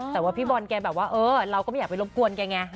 แต่ว่าพี่บอลแกแบบว่าเออเราก็ไม่อยากไปรบกวนแกไง